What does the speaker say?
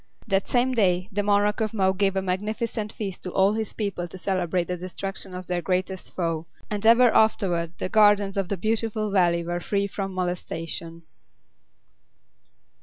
That same day the Monarch of Mo gave a magnificent feast to all his people to celebrate the destruction of their greatest foe; and ever afterward the gardens of the Beautiful Valley were free from molestation.